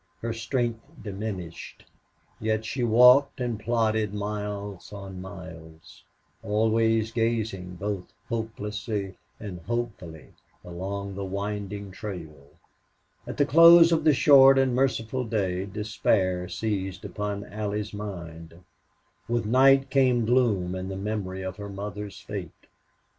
Her strength diminished, yet she walked and plodded miles on miles, always gazing both hopelessly and hopefully along the winding trail. At the close of the short and merciful day despair seized upon Allie's mind. With night came gloom and the memory of her mother's fate.